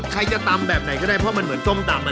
ใครจะตำแบบไหนก็ได้เพราะมันเหมือนส้มตำ